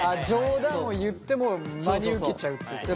冗談を言っても真に受けちゃうってことね。